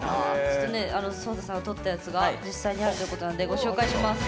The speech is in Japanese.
ちょっとね颯太さんが撮ったやつが実際にあるということなんでご紹介します。